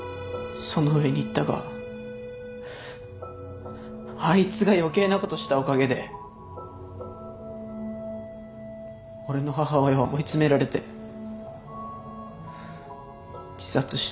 その上新田があいつが余計なことしたおかげで俺の母親は追い詰められて自殺した。